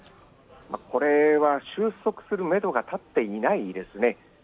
これは収束するめどが立っていないですね。